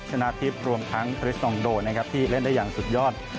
ชนะทิพย์รวมทั้งคริสนองโดนะครับที่เล่นได้อย่างสุดยอด